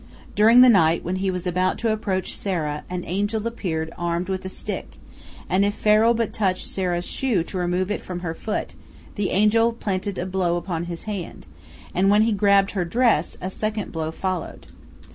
During the night, when he was about to approach Sarah, an angel appeared armed with a stick, and if Pharaoh but touched Sarah's shoe to remove it from her foot, the angel planted a blow upon his hand, and when he grasped her dress, a second blow followed.